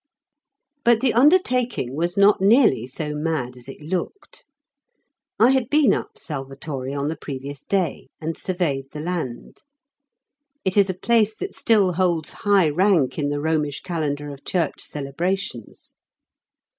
But the undertaking was not nearly so mad as it looked. I had been up Salvatore on the previous day and surveyed the land. It is a place that still holds high rank in the Romish calendar of Church celebrations.